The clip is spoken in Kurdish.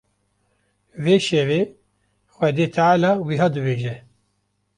Vê şevê Xwedê Teala wiha dibêje: